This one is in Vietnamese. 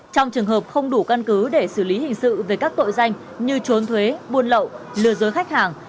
trong trường hợp không đủ căn cứ để xử lý hình sự về các tội danh như trốn thuế buôn lậu lừa dối khách hàng